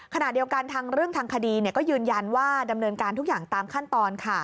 ขณะเดียวกันทางเรื่องทางคดีก็ยืนยันว่าดำเนินการทุกอย่างตามขั้นตอน